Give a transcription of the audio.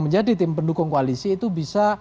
menjadi tim pendukung koalisi itu bisa